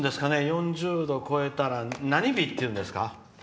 ４０度超えたら何日っていうんですか？